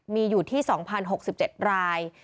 มีอยู่ที่๒๐๖๗ราย